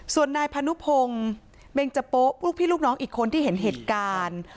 ส่วนนายพานุพงศ์เมงจโป๊ลูกพี่ลูกน้องอีกคนที่เห็นเหตุการณ์